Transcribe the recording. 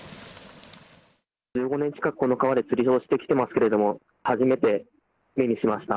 １５年近く、この川で釣りをしていましたけれども、初めて目にしました。